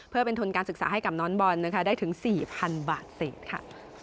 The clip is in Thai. เพื่อเป็นทุนการศึกษาให้กับน้องบอลนะคะได้ถึง๔๐๐๐บาทเศษค่ะ